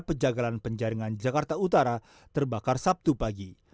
pejagalan penjaringan jakarta utara terbakar sabtu pagi